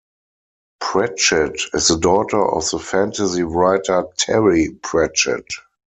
Pratchett is the daughter of the fantasy writer Terry Pratchett.